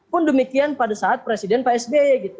pun demikian pada saat presiden psb